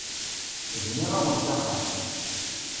Bniɣ-awent axxam.